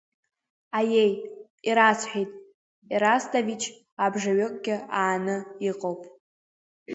Аиеи, ирасҳәеит, Ерасҭович, абжаҩыкгьы ааны иҟоуп.